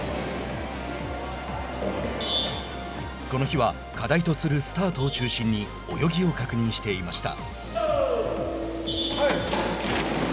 この日は、課題とするスタートを中心に泳ぎを確認していました。